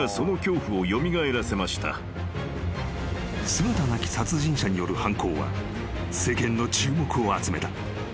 ［姿なき殺人者による犯行は世間の注目を集めた］